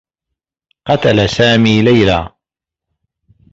قتل سامي ليلى.